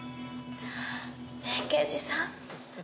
ねえ刑事さん。